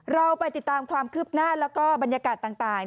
เราไปติดตามความคืบหน้าแล้วก็บรรยากาศต่าง